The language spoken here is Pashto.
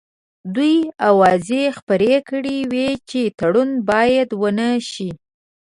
دوی اوازې خپرې کړې وې چې تړون باید ونه شي.